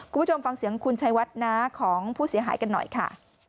คุณผู้ชมฟังเสียงคุณชัยวัดน้าของผู้เสียหายกันหน่อยค่ะ